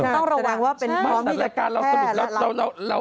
ต้องระวังว่าเป็นพร้อมที่จะแพร่และรับ